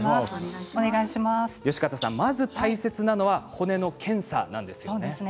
まず大切なのは骨の検査なんですよね。